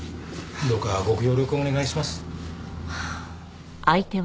どうかご協力をお願いします。